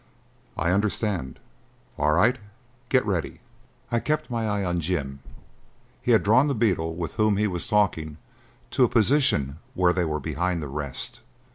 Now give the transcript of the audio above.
"I understand." "All right, get ready." I kept my eye on Jim. He had drawn the beetle with whom he was talking to a position where they were behind the rest.